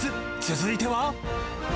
続いては。